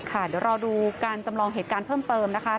เดี๋ยวรอดูการจำลองเหตุการณ์เพิ่มเติมนะคะ